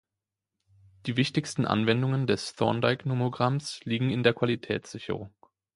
Die wichtigsten Anwendungen des Thorndike-Nomogramms liegen in der Qualitätssicherung.